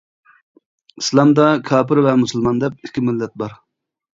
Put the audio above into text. ئىسلامدا كاپىر ۋە مۇسۇلمان دەپ ئىككى مىللەت بار.